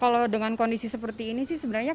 kalau dengan kondisi seperti ini sih sebenarnya